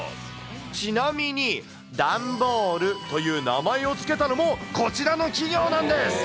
ちなみに、段ボールという名前を付けたのもこちらの企業なんです。